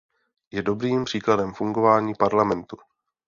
Je dobrým příkladem fungování Parlamentu.